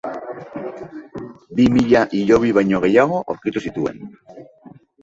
Bi mila hilobi baino gehiago aurkitu zituen.